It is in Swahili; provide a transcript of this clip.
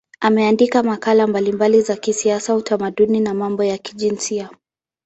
Ameandika makala mbalimbali za kisiasa, utamaduni na mambo ya kijinsia.